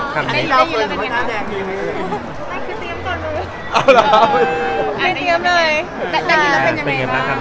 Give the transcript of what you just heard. ต้องลงอยู่ค่ะแต่ไม่น่าจะลง